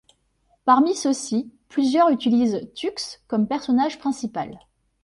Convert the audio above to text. Parmi ceux-ci, plusieurs utilisent Tux comme personnage principal.